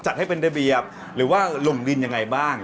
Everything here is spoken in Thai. ให้เป็นระเบียบหรือว่าลงดินยังไงบ้าง